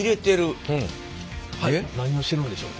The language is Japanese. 何をしているんでしょう。